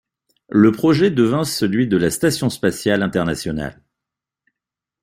Le projet devint celui de la Station spatiale internationale.